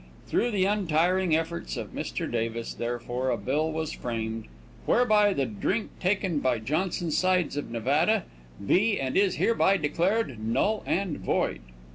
Through the untiring efforts of Mr. Davis, therefore, a bill was framed "whereby the drink taken by Johnson Sides, of Nevada, be and is hereby declared null and void."